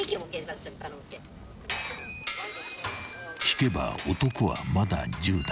［聞けば男はまだ１０代］